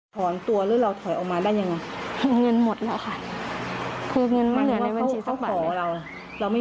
ถอนตัวแล้วเราถอยออกมาได้ยังไง